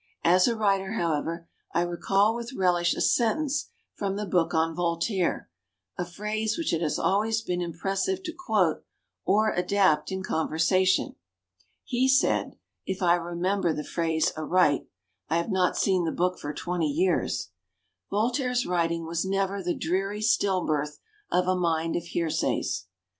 As a writer, however, I re call with relish a sentence from the book on Voltaire — a phrase which it has always been impressive to quote, or adapt, in conversation. He said, if I remember the phrase aright (I have not seen the book for twenty years) : "Voltaire's writing was never the dreary still birth of a mind of hear says."